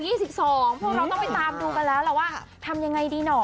พวกเราต้องไปตามดูกันแล้วล่ะว่าทำยังไงดีหน่อ